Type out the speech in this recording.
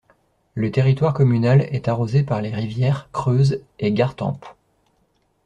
Le territoire communal est arrosé par les rivières Creuse et Gartempe.